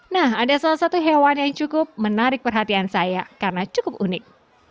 nah ada salah satu hewan yang cukup menarik perhatian saya karena cukup unik